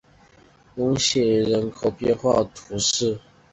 翁西厄人口变化图示